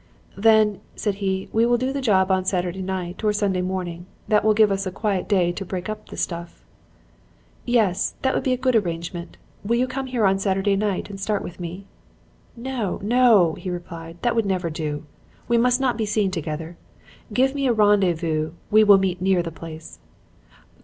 "'Then,' said he, 'we will do the job on Saturday night or Sunday morning. That will give us a quiet day to break up the stuff.' "'Yes. That will be a good arrangement. Will you come here on Saturday night and start with me?' "'No, no!' he replied. 'That would never do. We must not be seen together. Give me a rendezvous. We will meet near the place.'